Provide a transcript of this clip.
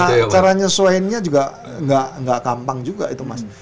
di pelonco dan cara nyesuainya juga gak gampang juga itu mas